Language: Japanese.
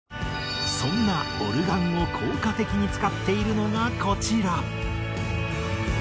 そんなオルガンを効果的に使っているのがこちら。